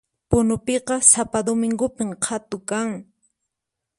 Punupiqa sapa domingopin qhatu kan